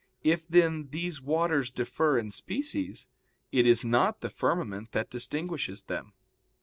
If then, these waters differ in species, it is not the firmament that distinguishes them.